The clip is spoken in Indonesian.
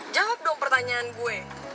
jawab dong pertanyaan gue